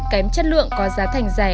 kém chất lượng có giá thành rẻ